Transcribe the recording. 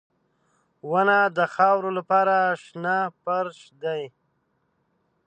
• ونه د خاورو لپاره شنه فرش دی.